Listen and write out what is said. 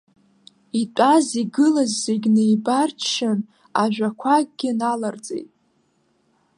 Итәаз, игылаз зегьы неибарччан, ажәақәакгьы наларҵеит.